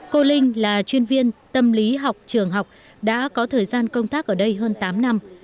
cô linh là chuyên viên tâm lý học trường học đã có thời gian công tác ở đây hơn tám năm